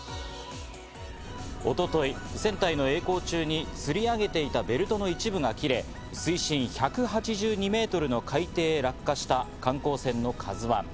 一昨日、船体のえい航中に吊り上げていたベルトの一部が切れ、水深１８２メートルの海底へ落下した観光船の「ＫＡＺＵ１」。